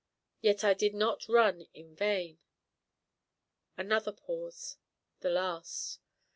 yet I did not run in vain." (_Another pause, the last.